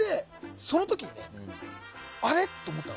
その時、あれ？って思ったの。